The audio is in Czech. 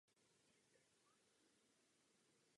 Právě tato píseň je přiměla nahrát celé společné album.